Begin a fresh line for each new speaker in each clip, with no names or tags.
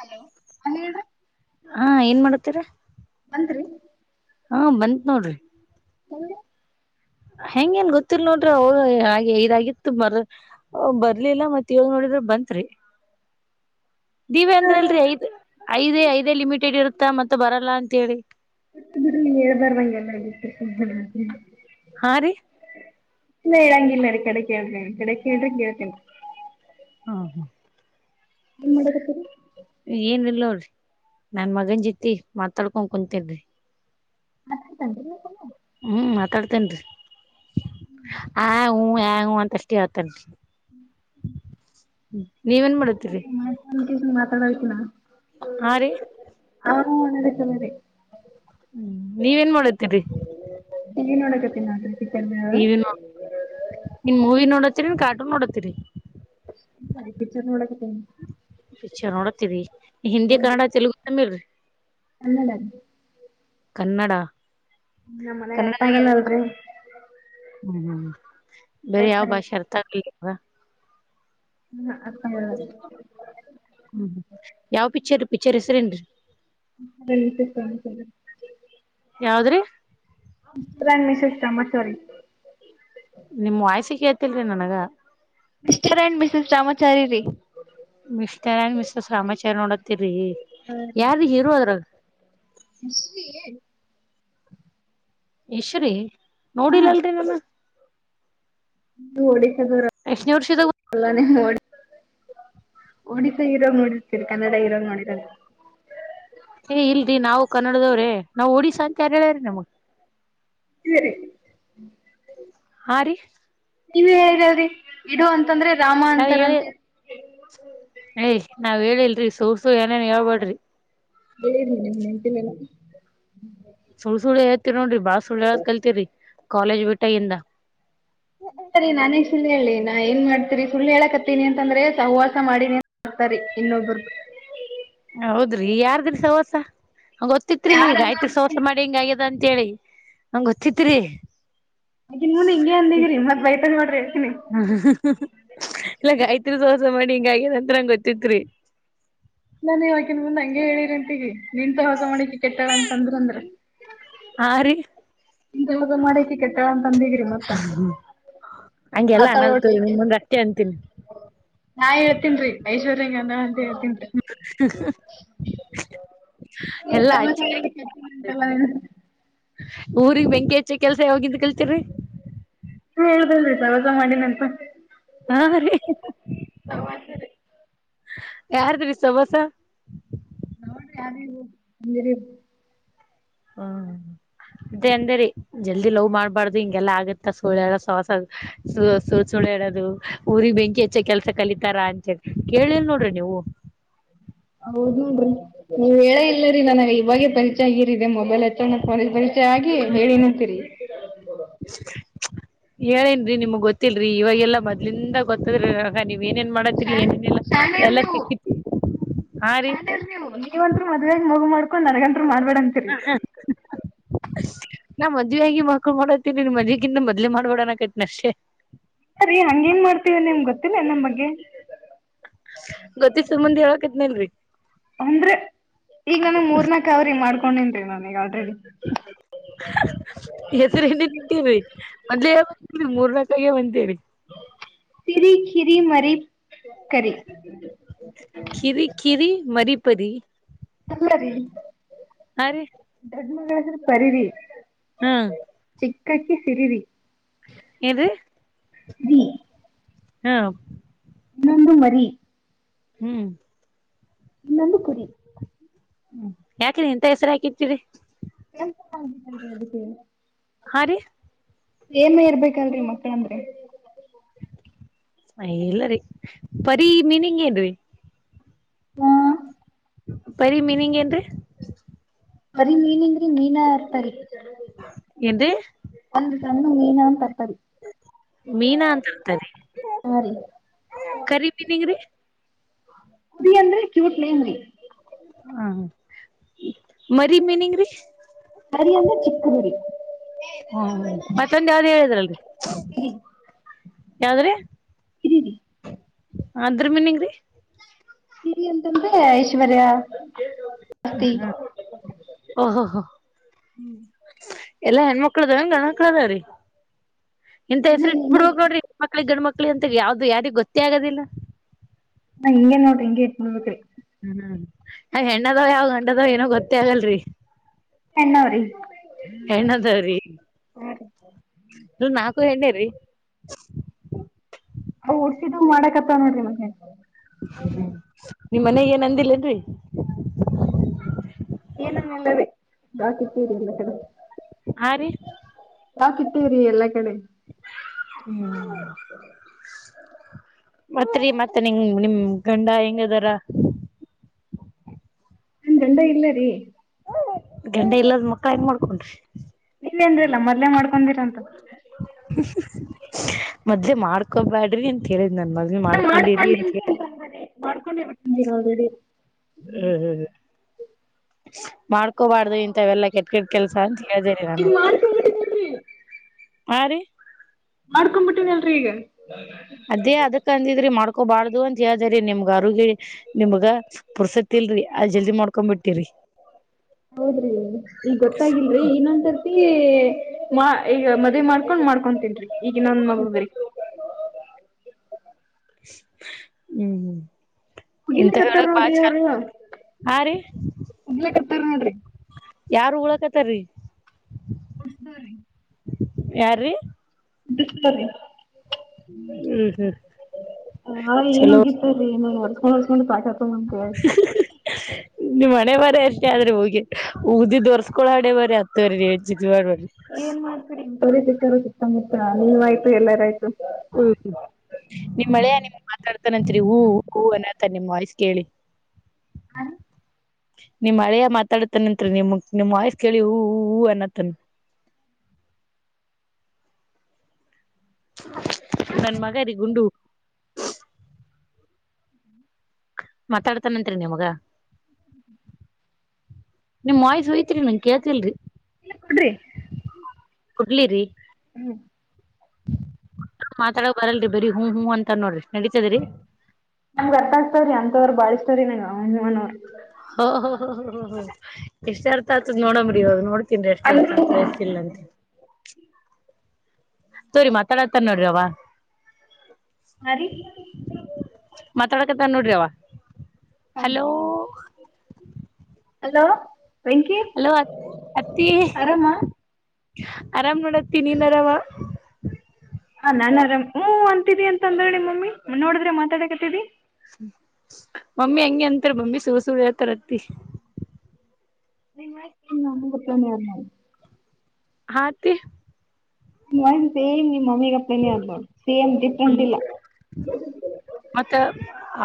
Hello ಅ ಹೇಳಡು.
ಹಾ ಏನ್ ಮಾಡತೀರ.
ರಿ [unintelligible]
ಹಾ ಬಂತತ್ ನೋಡ್ರಿ.
ಎಂದು.
ಹೆಂಗ ಏನ್ ಗೊತ್ತಿಿಲ್ಲ ನೋಡ್ರಿ ಅವ ಹಾಗೆ ಇದಾಗಿತ್ತು ಮರ ಬರ್ಲಿಲ್ಲ ಮತ್ ಹೇಳ ನೋಡ್ರಿ. ್ರ ಬಂತ್ರಿ. ನೀವ ಅಂದ್ರ ಅಲ್ರಿ ಐದ್ ಐದೇ ಐದೇ ಲಿಮಿಟೆಡ್ ಇರುತ್ತಾ ಮತ್ತೆ ಬರಲ್ಲ ಅಂತ ಹೇಳಿ. [unintelligible]
ನೀ ಹೇಳ್ ಬರ್ಂಗೆಲ್ಲ ಬಿಟ್ಟು.
ಹಾ ರೀ.
ಇಲ್ಲ ಹೇಳಂಗಿಲ್ಲ ರೀ ಕಡೆ ಕೇಳ್ರೇ ಕಡೆ ಕೇಳ್ರ ಕೇಳ್ತೇನಿ.
ಹಾ ಹಾ.
ಏನ್ ಮಾಡಕತ್ತೀರ.
ಏನ್ ಇಲ್ಲೋ್ರಿ ನನ್ ಮಗನ್ ಜತಿ ಮಾತಾಡ್ಕೊ ಕುಂತಿದಿ.
ಹತ.
ಹ್ಮ್ ಮಾತಾಡ್ತೇನ್ರಿ ಆ ಯ ಅಂತ ಅಷ್ಟೇ ಆತನ್ರಿ. ನೀವೇನ್ ಮಾಡತೀರಿ.
[unintelligible]
ಹಾ ರೀ.
ಹಾ ಒ ನಡ ಚರಿ.
ಹ್ಮ್ ನೀವೇನ್ ಮಾಡತೀರಿ.
ಈಗ ನೋಡಗ ತಿನ್ನೋಾದ್ರೆ.
ಟಿವ ವಿ ನೋಡ ನೀನ್ ಮೂವಿ ನೋಡತ್ತರಿ ನೀನ್ ಕಾರ್ಟೂನ್ ನೋಡತ್ತರಿ.
ಕಿಚ ನಡ ಕ.
ಪಿಕ್ಚರ್ ನೋಡತ್ತರಿ ಹಿಂದಿ ಕನ್ನಡ ತೆಲುಗು ತಮ್ಮಿಲ್ರಿ.
ಕ ನ್ನಡ.
ಕನ್ನಡ.
ನಮ್ಮ್ ಮನಾಗ
ಕನ್ನಡ
ಅರ್ಥ ಆಂಗಲ್ಲಲ್ರಿ.
ಹ್ಮ್ ಹ್ಮ್ ಬರ ಯಾವ ಭಾಷೆ ಅರ್ಥ ಆಲಿವಾ.
ಹ್ಮ ಅರ್ಥ ಆಗಲ್ಲ
ಹ್ಮ ಯಾವ ಪಿಕ್ಚರ್ ಪಿಕ್ಚರ್ ಹೆಸರೇನ್ರಿ.
ಸ ಕಮ.
ಯಾವ್ದ್ರೀ.
ರಣಮಷ ಇಷ್ಟ ಬಚೂರಿ.
ನಿಮ್ ವಯಸ್ಸೆ ಕೇಳ್ತಿಲ್ರಿ ನನ್ಗ
ಮಿಸ್ಟರ್ ಅಂಡ್ ಮಿಸಸ್ ರಾಮಾಚಾರಿ ರೀ
ಮಿಸ್ಟರ್ ಆಂಡ್ ಮಿಸಸ್ ರಾಮಾಚಾರಿ ನೋಡತ್ತರಿ ಯಾರ ರೀ ಹೀರೋ ಅದ್ರಾಗ
[inaudible]
ಯಶ್ ರೀ
ಹಾ
ನೋಡಿಲ್ಲಲ್ರಿ ನಾನ
[unintelligible] ಒಡಿಶಾ
ಎಷ್ಟನೇ ವರ್ಷದಾಗ
ಹೀರೋಗ ನೋಡಿರ್ತೀರಿ ಕನ್ನಡ ಹೀರೋಗ ನೋಡಿರಲ್ಲ
ಏ ಇಲ್ರಿ ನಾವು ಕನ್ನಡದವ್ರೆ ನಾವ್ ಒಡಿಶಾ ಅಂತ ಯಾರ ಹೇಳ್ಯ್ರೀ ನಿಮಗ್
ಹ್ಮ
ಹಾ ರೀ
ನೀವ ಹೇಳಿರಲ್ಲ ರೀ ಇಡು ಅಂತಂದ್ರೆ ರಾಮ ಅಂತಾರಂತ ಹೇಳಿ
ಏಯ್ ನಾವ್ ಹೇಳಿಲ್ರಿ ಸುಳ್ಳ ಸುಳ್ಳ ಏನೇರ್ ಹೇಳ್ಬೇಡ್ರಿ
ಹೇಳಿರಿ ನಿಮ್ಮಗ ನೆನಪಿಲ್ಲ ಏನ
ಸುಳ್ಳ ಸುಳ್ಳೆ ಹೇಳ್ತಿರಿ ನೋಡ್ರಿ ಬಾಳ ಸುಳ್ಳ ಹೇಳದ ಕಲ್ತರಿ ಕಾಲೇಜ್ ಬಿಟ್ಟಾಗಿಂದ
ಸರಿ ನಾನೇಕ ಸುಳ್ಳ ಹೇಳಲ್ಲಿ ನಾ ಏನ್ ಮಾಡ್ತೀರಿ ಸುಳ್ಳು ಹೇಳಕತ್ತೀನಿ ಅಂತಂದ್ರೆ ಸಹವಾಸ ಮಾಡೀನಿ ಬರ್ತಾರಿ ಇನ್ನೊಬ್ಬರದು
ಹೌದ್ರಿ ಯಾರ್ದ್ರಿ ಸಹವಾಸ ಗೊತ್ತಿತ್ರಿ
ಯಾರಲ್ಲ
ಗಾಯತ್ರಿ
ಅಂದ್ರಿ
ಸಹವಾಸ ಮಾಡಿ ಹಿಂಗ ಆಗ್ಯದ ಅಂತೇಳಿ ನಂಗ್ ಗೊತ್ತಿತ್ರಿ
ಅಕಿನ್ ಮುಂದ ಹಿಂಗೇ ಅಂದಿಗಿರಿ ಮತ್ ಬೈತಾಲ ನೋಡ್ರಿ ಹೇಳ್ತೀನಿ
ಹ್ಮ್ ಇಲ್ಲ ಗಾಯತ್ರಿ ಸಹವಸ ಸ ಮಾಡಿ ಹಿಂಗ ಆಗ್ಯಾದಂತ ನನಗ ಗೊತ್ತಿತ್ರಿ
ನೀವ ಅಕಿನ್ ಮುಂದ್ ಹಂಗೆ ಹೇಳಿರಂತಿಗಿ ನಿನ್ ಸಹವಾಸ ಮಾಡಿ ಇಕಿ ಕೆಟ್ಟಳ ಅಂತಂದ್ರ ಅಂದ್ರ
ಆ ರೀ
ನೀನು ಸಹವಾಸ ಮಾಡಿ ಅಕಿ ಕೆಟ್ಟಳ ಅಂತಂದಗ್ರಿ ಮತ್ತ
ಹಂಗ ಎಲ್ಲಾ
ಆತಾಳ್
ಅನಲ್ಲ
ನೋಡ್ರಿ
ತೊರಿ
ಈಕಿ
ನಿಮುಂದ ಅಟ್ಟೆ ಅಂತೀನಿ
ಹಿಂಗ ಅಂದಾಳ ಅಂತ ಹೇಳತ್ತಿನಿ ತೋ ನೀನ್ನ
ಎಲ್ಲಾ
ಸಹವಾಸ
ಆಚ್ಚರಿ
ಮಾಡಿ ಕೇಟ್ಟಿಲ್ಲಂತಲ
ಊರಿಗ್ ಬೆಂಕಿ ಹಚ್ಚ ಕೆಲ್ಸ ಯಾವಾಗಿಂದ ಕಲ್ತಿರ್ರಿ
ನೀವೆ ಹೇಳಿದ್ರಲ್ಲ ರೀ ಸವಾಸ ಮಾಡಿನಂತ
ಹಾ ರೀ
ನೋಡ್ರಿ
ಯಾರದ್ರೀ ಸವಾಸ
ಹೌದು ರೀ [unintelligible]
ಹ್ಮ ಅದೇ ಅಂದೆ ರೀ ಜಲ್ದಿ ಲವ್ ಮಾಡ್ಬಾರ್ದು ಹಿಂಗೆಲ್ಲಾ ಆಗ ತ ಸುಳ್ಳ ಹೇಳಸವಾಸದು ಸು ಸುಳ್ಳ ಸುಳ್ಳ ಹೇಳದು ಊರಿಗ ಬೆಂಕಿ ಹಚ್ಚ ಕೆಲ್ಸ ಕಲಿತಾರ ಅಂತೇಳಿ ಕೇಳಿಲ್ಲ ನೋಡ್ರಿ ನೀವು
ಹೌದ ನೋಡ್ರಿ ನೀವ್ ಹೇಳ ಇಲ್ಲರಿ ನನಗ ಇವಾಗ ಪರಿಚಯ ಆಗಿ ಮೊಬೈಲ್ ಅಲ್ಲಿ ಪರಿಚಯ ಆಗಿ ಹೇಳಿನಂತೀರಿ
ಹೇಳೇನ್ರೀ ನಿಮ್ಗ್ ಗೊತ್ತಿಲ್ರರಿ ಇವಾಗೆಲ್ಲಾ ಮೊದ್ಲಿಂದ ಗೊತ್ತದ್ರಿ ನನಗ ನೀವ ಏನೇನ್ ಮಾಡತಿರಿ ಏನೇನಿಲ್ಲ ಎಲ್ಲಾ ತಿಕ್ಕತಿರಿ
ಶ್ಯಾಣರ ನೀವು ನಿವಂತರ ಮದ್ವಿಗ ಮಗು ಮಾಡ್ ನನಗಂತ್ರ ಮಾಡ್ಬೇಡ ಅಂತೀರಿ
ಮದ್ವಿಯಾಗಿ ಮಕ್ಕಳ ಮಾಡತಂನಿ ಮದ್ವಿಗಿಂತ ಮೊದ್ಲೆ ಮಾಡಬೆಡ ಅನ್ನಕತ್ತಿನ ಅಷ್ಟೇ
ಇಲ್ಲರಿ ಹಂಗೇಂಗ ಮಾಡ್ತೀವಿ ನಿಮಗ ಗೊತ್ತಿಲ್ಲ ಏನ ನಮ್ ಬಗ್ಗೆ
ನಲ್ ರೀ
ಅಂದ್ರೆ ಈಗ ನಾನ ಮೂರ್ನಾಕ್ ಅವಾರಿ ಮಾಡ್ಕೊಂಡಿನರಿ ನಾನೀಗ [inaudible]
ಹೆಸರ ಏನ್ನೆನ ಇಟ್ಟಿರಿ ಮೊದ್ಲೇ ಹೇಳಬೇಕು ಇಲ್ಲರಿ ಮೂರ್ ನಾಕ ಆಗ್ಯಾವ ಅಂತೇಳಿ
ತಿರಿ ಕಿರಿ ಮರಿ ಕರಿ
ಕಿರಿ ಕಿರಿ ಮರಿ ಪರಿ
ಅಲ್ಲ ರೀ
ಹ ರೀ
ಡ್ ಪರಿರಿ
ಹ್ಮ್
ಚಕ್ಕಾಕ್ಕಿ ಸಿರಿರಿ
ಎದು
ಜ
ಹ್ಮ
ಇನ್ನೊಂದು ವರಿ
ಹ್ಮ್
ಇನ್ನೊಂದು ಕುರಿ
ಹ್ಮ ಯಾಕ್ರಿ ಇಂತ ಹೆಸರು ಹಾಕಿತಿರಿ
ಅದ ಅದಕ್ಕೆೇ
ಹಾ ರೀ
ಏಮ ಇರ್ಬೇಕಲ್ರರಿ ಮಕ್ಳಂದ್ರಿ
ಅ ಇಲ್ಲರಿೀ ಪರಿ ಮೀನಿಂಗ್ ಏನ್ರಿ ಬರಿ ಮೀನಿಂಗ್
ಬರಿೀ ಮೀನಿಂದ್ರಿ ಮೀನಾ ಇರ್ತಾರಿ
ಎ
ಕಣ್ಣು ಮೀನ
ಮೀನಾ ಅಂತತರಿ
ಹಾ ರೀ
ಕರಿ ಮೀನಿಂಗ್ರೀ
ಕುುದ ಅಂದ್ರೆ ಕ್ಯೂಟ್ ನೇನ್ೀ
ಹಾ ಮರಿ ಮೀನಿಂಗ್ರೀ
ಅರಿಂದ್ರ ಚಿಕ್ಕಗರಿ
ಹ್ಮ ಮತ್ತೊಂದು ಯಾವ್ದ್ ಹೇಳಿದ್ರಲ್ರಿ
ಇ
ಯಾವ್ದ್ರಿ
ಇದಿ
ಅದ್ರ ಮನ್ಂಗೀ
ರಿ ಅಂತಂದ್ರೆ ಐಶ್ವರ್ಯಾ
ಹ್ಮ್ ಹ ಓಹೋ ಹ ಎಲ್ಲಾ ಹೆಣ್ಮಕ್ಳದ ಗಂಡ್ಮಕ್ಳದಾವ್ರೀ ಇಂತ ಹೆಸರಿ ಇಟ್ ಬಿಡ್ಬೇಕ ನೋಡರಿ
ಹಿಂಗೆ
ಹೆಣ್ಮಕ್ಳಗ್ ಗಂಡ ಮಕ್ಳ ಮಕ್ಳಿ ಅಂತ ಯಾವ್ದು ಯಾರಿಿಗೆ ಗೊತ್ತೇ ಆಗೋದಿಲ್ಲ
ನಾ ಹಿಂಗೇ ನೋಡ್ರಿಂಗ ಎತ್ ನಡ್ಬೇಕ್ರಿ
ಹ್ಮ್ ಹೆಣ್ಣದಾವ ಯಾವ ಗಂಡದಾವ ಏನೋ ಗೊತ್ತೇ ಆಗಲ್ರಿ
ಎನ್ನ್ರೀ ಹ
ನೀ ನಾಲ್ಕು ಹೆಣ್ಣೇರಿೀ
ಅ ಡ್ಸಿದು ಮಾಡಕತ್ತ ನೋಡ್ರಿ ಮ
ನಿಮ ಮನೆಗ್ ಏನ್ ಅಂದಿಲ್ಲೇನ್ರಿ
ಏನಂಗಲ್ಲ ಹಾಕತ್ತೀರಿ ಎಲ್ಲ ಕಡೆ
ಹಾ ರೀ
ಹಾಕತ್ತೇರಿೀ ಎಲ್ಲ ಹಳ
ಹ್ಮ್ ಮತ್ರಿ ಮತ್ತೆ ನಿಂಗ ನಿಮ್ ಗಂಡ ಹೆಂಗದಾರ
ನಾ ಗಂಡ ಇಲ್ಲ ರೀ
ಗಂಡೆ ಇಲ್ಲದ ಮಕ್ಳ ಏನ್ ಮಾಡ್ಕೊಂಡ್ರಿ
ನಿನ್ೇನ್್ರಿಲ್ಲ ಮೊದ್ಲೇ ಮಾಡ್ಕೀರಂತ
ಮದ್ೆ ಮಾಡ್ಕೊಬ್ಯಾಡ್ರಿ ಅಂತ ಕೇಳಿ
ಮಾಡ್ಕೊಂಡ ಮಾಡ್ಕೊಂಡಿತ ಆಲ್ರೆಡಿ
ಹ್ಮ ಮಾಡ್ಕೋಬಾರ್ದು ಇಂತವೆಲ್ಲ ಕೆಟ್ಟ ಕೆ ಕೆಲ್ಸ ಜರಿಗಾನೆ ಆರಿ
ಮಾಡ್ಕೊ್ಬಿಟ್ಟನ ಅಲ್ರರಿ ಈಗ
ಅದೇ ಅದಕ್ಕ ಅಂದಿದ್ರಿ ಮಾಡ್ಕೋಬಾರ್ದು ಅಂತ ಹೇಳ್ದ್ರ ನಿಮ್ಗ ಆರೋಗ್ಯ ನಿಮ್ಗ ಪುಸತಿ ಲ್ರರಿ ಅದ್ ಜಲ್ದಿ ಮಾಡ್ಕೊಂಡ್ ಬಿಟ್ಟಿರಿ
ಹೌದ್ರಿ ಈಗ್ ಗೊತ್ತಾಗಿಲ್ರರಿ ಇನ್ನೊಂದರ್ತಿ ಈಗ ಮದ್ವೆ ಮಾಡ್ಕೊಂಡ್ ಮಾಡ್ಕೊಂಡ ತನ್ಿ ಈಗ ನನ್ ಮಗದ್ರೀ
ಹ್ಮ್ ಹ್ಮ್ ಇಂತ
ಮುಗಿಲಿಕತ್ತಾರ
ಹೇಳಕ್ ಬಾ
ನೋಡ್ರಿ
ಚ
ಅವ್ರು
[unintelligible] ಹಾ ರೀ
[inaudible] ನೋಡ್ರಿ
ಯಾರ್ು ಉಳಕತಾರರಿ
ಕುಳಸದ್ರೀ [unintelligible]
ಯಾರ ರೀ
ಬಿಡ್ತರಿ
ಹ್ಮ್ ಹ್ಮ್
[unintelligible] ಹ ಏನ್
ಚಲೋ
ಹೋಗತ್ತಾರ ಏನ [unintelligible] ಕಕೊಂಡ ಪಠಕ ನ ಕ [unintelligible]
ಅಷ್ಟೇ ಆದ್ರೆ ಹೋಗಿ ಉಗ್ದಿ ತೋರ್. ಕಳಾಡೆ ಬರಿ ಹತ್ತು ಬರಿ ರೇಡ್ [unintelligible] ಜಡ್ ಬರಿ.
ಸಿತ್ತಂಗುತ್ತ ನೀವ ಆಯ್ತು ಎಲ್ಲಾರ ಆಯ್ತು.
ಹ್ಮ್ ಹ್ಮ್. ನಿಮ್ಮ ಅಳಿಯ ನಿಮ್ ಮಾತಾಡ್ತಾನತ್ರಿ ಹಊ ಹೂ ಅನತ ನಿಮ್ ವಾಯ್ಸ್ ಕೇಳಿ.
ಹ.
ನಿಮ್ ಹಳೆಯ ಮಾತಾಡತನತ್ರಿ ನಿಮ್ ನಿಮ್ ವಯಸ್ ಕೇಳಿ ಹ ಹಊ ಅನತ್ತನ್. [unintelligible] ನನ್ನ ಮಗ ರಿ ಗುಂಡು. ಮಾತಾಡ್ತಾನನ್ರಿ ನಿಮ್ಗ. ನಿಮ್ಮ ವಾಯ್ಸ್ ಹೋಯಿತು ಕೇತಲ್ರಿ.
ಇಲ್ಲ ಕೊಡ್ರಿ. [unintelligible]
ಕುಡ್ಲಿರಿ. [inaudible]
ಹ್ಮ್ [inaudible]
[unintelligible] ಮಾತಾಡೋಕ್ ಬರಲ್ರಿ ಬರ ಹೂ್ ಹ್ೂ ಅಂತ ನೋಡ್ರಿ. ನಡೀತದ್ರಿ
ನಮ್ಗೆ ಅರ್ಥ ಆಗ್ತವ್ರಿ ಅಂತವ್ರ ಬಳಸ್ತವ್ರಿ ನೀ.
ಹ ಹ ಎಷ್ಟು ಅರ್ಥ ಆತದ ನೋಡಮ್ರಿ ಇವಾಗ ನೋಡ್. ತಿನ್್ರ [unintelligible] ಎಷ್ಟ ಅರ್ತ
ಅಂದ್ರು
ಆತ್ರ ಎಷ್ಟ ಇಲ್ಲಂತ. ತೋರಿ ಮಾತಾಡತಾರ ನೋಡ್ರಿವ.
ಅ ರೀ
ನ [unintelligible] ನೋಡ್ರವ.
ಹೌದ [unintelligible] ಅಲೋ. ವೆಂಕಿ
ಹಲೋ ಅತ್ತಿ
ಆರಾಮಾ.
ಆರಾಮ್ ಮಾಡೋತ್ತ ನೀ ಆರಾಮ
ಹ ನಾನನ್ ಆರಾಮ್ ಹ ಅಂತಿದಿ ಅಂತ ಅಂದ್ರಣಿ ಮಮ್ಮಿ ನೋಡಿದ್ರೆ ಮಾತಾಡಕತಿದಿ.
ಮಮ್ಮಿ ಅಗೆ ಅಂತರ ಮಮ್ಮಿ ಸು ಸು ಹೇಳ್ತಾರಂತೆ
ನಿಮ್ಮ ಗತ್ತನ. [unintelligible]
ಹಾತ್ತ. [unintelligible]
ವಾಯ್ಸ್ ನಿಮ್ಮ್ ಮಮ್ಮಿಗಪ್ಪನ ನೋ ಸೇಮ್ ಡಿಫ್ರೆಂಟ್
ಹ್ಮ
ಇಲ್ಲ.
ಮತ್ತ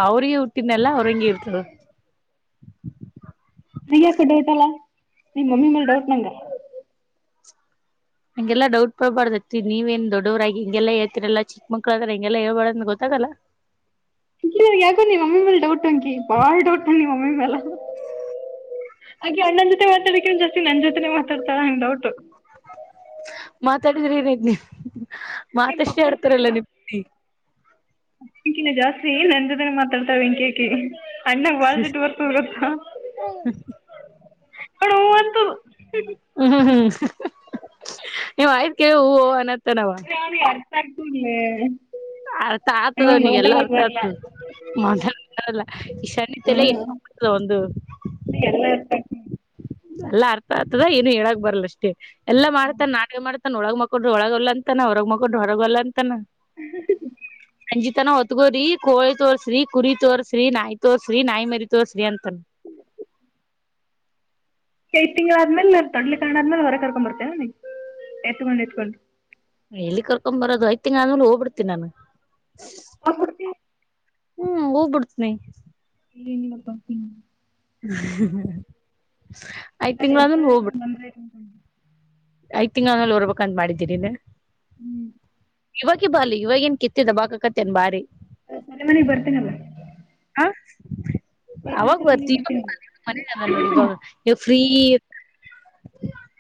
ಅವ್ರಿಗೆ ಹುಟ್ಟಿದೆಲ್ಲ ಅವ್ರಂಗಿ ಇರ್ತದ.
ನೀ ಯಾಕ ಡೌಟ್ ಅಲ್ಲಾ ನೀ ಮಮ್ಮಿ ಮೇಲೆ ಡೌಟ್ ನಂಗ.
ಹಂಗೆಲ್ಲ ಡೌಟ್ ಪಬಾರ್ದತತಿ ನೀವ ನ್ ದೊಡ್ಡವ್ರಾಗಿ ಹಿಗೆಲ್ಲ ಹೇಳ್ತಿರಲ್ಲ ಚಿಕ್ಕಕ್ಳ್ರ ಹೆಂಗೆಲ್ಲ ಹಳ್ಬಾರ್ದ ಗೊತ್ತ. ಲ್ಲ [unintelligible]
ನೀವ [unintelligible] ಮಮ್ಮ ಮಲೆ ಡೌಟ್ಂಗಿ ಬಾ ಡೌಟ್್ ನೀ ಮಮ್ಮಿ ಮೇಲೆ. ಹಾಗೆ ಅಣ್ಣನ್ ಜೊತೆ ಮಾತಾಡಕ್ಕೆ ಒ್ ಜಾಸ್ತಿ ನನ್ ಜೊತೆನೆ ಮಾತಾಡ್ತಾಳ ಡೌಟ್.
ಮಾತಾಡಿದ್ರಿ ಏನ ನೀ ಮಾತಷ್ಟೇ ಆಡ್ತಾರಲ್ಲ ನಿಮ್ಮ.
ಅಕಿನ ಜಾಸ್ತಿ ನನ್ ಜೊತೆನ ಮಾತಾಡ್ತಾವ ಇಂಕೇಕಿ. ಅಣ್ಣಂಗ ಬಳ್ದಿಟ್ಟು ಬರ್ತದ ಗೊತ್ತ ನ ಹಂತೂ.
ಹ್ಮ್ ಹ್ಮ್ ಹ್ಮ್ ನೀ ಆಯ್ತ ಕೆ ಹ ಅನ್ನತ ನವ.
ಕರ್ಪೂರ್ಲ್ಲ.
ಅರ್ಥ ಆಗ್ತದ ಅವನಿಗೆ ಎಲ್ಲಾ ಅರ್ಥ ಆಗ್ತದ. ಮದಲ್ಲ ಈ ಸನ್ನಿತೆಲ್ಲ ಎಲ್ಲ
ಹ್ಮ್
ಮಾಡ ಒಂದು.
ಎಲ್ಲ. ಆಗ್ತಿಲ್ಲ
ಎಲ್ಲಾ ಅರ್ಥ ಆರ್ತದ ಏನು ಹೇಳಕ್ ಬರಲ್ಲ ಅಷ್ಟೇ ಎಲ್ಲ ಮಾಡ್ತಾನನ್ ನಾಟಕ ಮಾಡ್ತಾನ ಒಳಗ ಮಕ್. ಕ ಡೋಳ ಗಲ್ಲಾನಂತ ನ ಹೊರಂಗ್ಕ ಡರ ಗಲ್ಲಾಂತಾ.
ಹ.
ಸಂಂಜಿತನ ಹೊತ್ಗೋರಿ ಕೋಳಿ ತೋಸ್ರಿ ಕುರಿ ತೋರ್ಸ್ರಿ ನಾಯಿ ತೋರ್ಸ್ರಿ ನಾಯಿ ಮರಿ ತೋರ್ ಅಂತನ್. [inaudible]
ತಿಂಗಳ ಆದ್ಮೇಲೆ ತೊಡ್ಲಿ ಕಣ ಆದ್ಮೇಲೆ ಹೊರೆಗೆ ಕರ್ಕೊಂಡ್ ಬರ್ತೇವಗೆ ಎತ್ಕೊಂಡ್ ಎಚ್ಕೊಂಡು.
ಎಲ್ಲಿ ಕರ್ಕೊ್ ಬರೋದು ಐ್ತಿಂಗ ಅ ಆದ ಹೋಗ್ಬಿಡ್ತಿ ನಾನು.
ಹ ಹಡ್ತ
ಹ್ಮ್ ಹೋಗಬಿಡ್ತನಿ
ಇಲ್ಲನಲ್ಲ ಪತೀ
ಹ್ಮ
ನಾನ ಇರ್ತದೆ ಏ ಬಂದ್ರ
ಐ್ ತಿಂಗ್ ಅವನೇಲ್ಲಿ ಹೊರ್ಬೇಕಕ್ ಅಂತ ಮಾಡಿದ್ದೀರಿ ನೀ
ಹ್ಮ್
ಇವಾಗ ಬಾಲಿ ಇವಾಗ ಏನ್ ಕಿತ್ತಿದ ಬಾಕಕತ್ತೇನ್ ಬಾರಿ
ಮನೆ ಮನೆಗ್ ಬರ್ತೀನಲ್ಲ
ಹ
ಬೇರೆ
ಅವಾಗ
ಸರ್ ಮನೆಗೆ
ಬರ್ತಿವ
ಬರ್ತೀನಿ
ಮ ನೋಡಿ ಇವಾಗ ಶ್ರೀ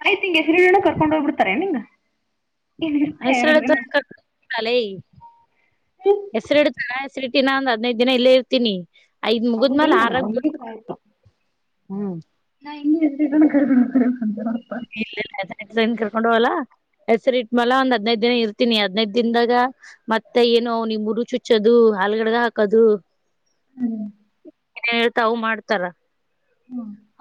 ಆಯ್ತ ಹಿಂಗ ಹೆಸರಿನ ಕರ್ಕೊಂಡ್ ಹೋಗ್ಬಿಡ್ತಾರೆ ನಿಂಗ
ಹೆಸರುಡತ ಹೆಸರು ಇಡತ ಟ ನ ಒಂದ ಹದಿನೈದು ದಿನ ಇಲ್ಲೇ ಇತನಿ
ಹೌದಲ್ಲ ಅಂಗ ಗಯತ
ಹ್ಮ್
ಹಂಗೆ ಎಷ್ಟ ಕಂತ
ನ್ ಕರ್ಕೊಂಡ ಹೋಗಲ್ಲಾ ಹೆಸರಿ ಇಟ್ ಮಲ ಒಂದ್ ಹದ್ದ್ ದಿನ ಇರ್ತೀನಿ ಹದ್ದ್ ದಿನದಾಗ ಮತ್ತೆ ಏನು ನಿಮ್ ಹುರು ಚುಚ್ಚದು ಹಾಲ್ಗಡಗ ಹಕದು
ಹ್ಮ್
ಏನ್ ಹೇಳ್ತಾ ಅ ಮಾಡ್ತಾರ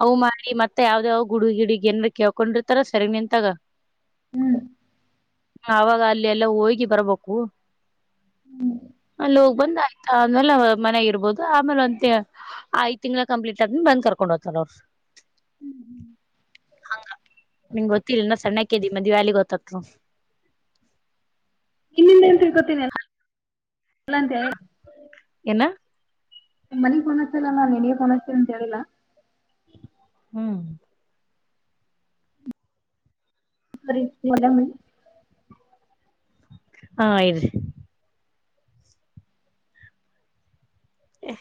ಅವು ಮಾಡಿ ಮತ್ತ ಯಾವ್ದ ಯಾವ್ ಗುಡ ಗಿಡನ್ ಕಳ್ಕೊಂಡಿರ್ತಾರ ಸರಿಗ್ ನಿಂತಾಗ
ಹ್ಮ್
ನ ಆಾಗ ಅಲ್ಲಿ ಎಲ್ಲ ಹೋಗಿ ಬರ್ಬೇಕು ಹೋಗಿ ಬಂದ ಆಯ್ತಾದ್ಮೇಲೆ ಮನೆ ಇರ್ಬಹದು ಆಮೇಲೆ ಒಂದ ಐ್ ತಿಂಗಗಳ ಕಂಪ್ಲೀಟ್ ಆದ್ಮ ಬಂದ ಕಕೊಂಡ ಚಲ
ಹ್ಮ್ ಹ್ಮ
ಹಂಗ ನಿಮಗೆ ಗೊತ್ತಿಲ್ಲ ನ ಸಣ್ಣ ಕ್ದಿ ಮದ್ ವ್ಯಾಲಿ ಗೊತ್ತತ್ರು
ಇನ್ನಿಂದೆ ಎಂತ ಗೊತನಿ ಎಲ್ಲ ಅಂತ ಹೇಳಿ
ಎನ್ನ
ಮನಗ್ ನತಲ್ಲ ನಾನ್ ನನ್ಗೆ ೋನ್ತೀನ ಅಂತ ಹೇಳಿಲ್ಲಾ
ಹ್ಮ್
ಬರಿ ಮಲ್ಲ ಮ
ಹ ಆಯ್ರಿ ಆ